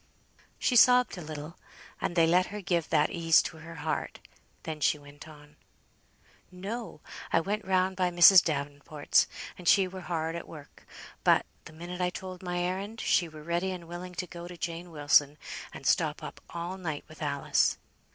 She sobbed a little; and they let her give that ease to her heart. Then she went on "No! I went round by Mrs. Davenport's, and she were hard at work; but, the minute I told my errand, she were ready and willing to go to Jane Wilson, and stop up all night with Alice."